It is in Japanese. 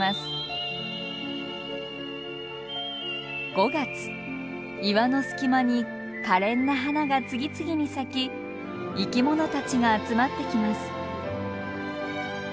５月岩の隙間にかれんな花が次々に咲き生きものたちが集まってきます。